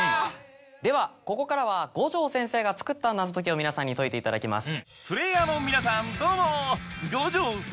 ではここからは五条先生が作った謎解きを皆さんに解いていただきます。